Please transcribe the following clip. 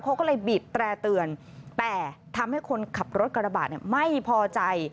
เขาก็เลยบีบแตร่เตือนแต่ทำให้คนขับรถกระบะเนี่ยไม่พอใจ